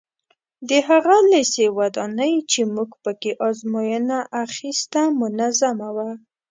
د هغه لېسې ودانۍ چې موږ په کې ازموینه اخیسته منظمه وه.